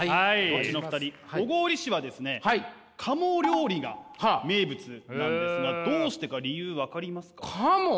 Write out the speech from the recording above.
ロッチのお二人小郡市はですね鴨料理が名物なんですがどうしてか理由分かりますか？